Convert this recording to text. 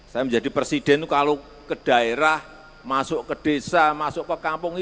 saya menjadi presiden itu kalau ke daerah masuk ke desa masuk ke kampung